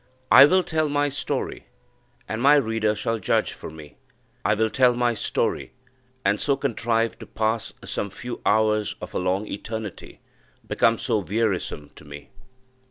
I will tell my story, and my reader shall judge for me. I will tell my story, and so contrive to pass some few hours of a long eternity, become so wearisome to me.